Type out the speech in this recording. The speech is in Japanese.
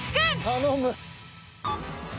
［頼む］